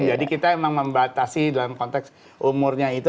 kita memang membatasi dalam konteks umurnya itu